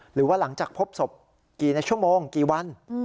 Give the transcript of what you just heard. หรือว่าหลังจากพบศพกี่ในชั่วโมงกี่วัน